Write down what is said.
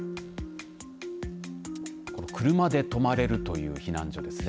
車で泊まれるという避難所ですね。